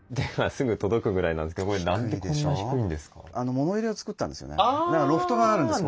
もの入れを作ったんですよね。